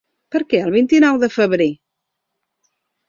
Per què el vint-i-nou de febrer?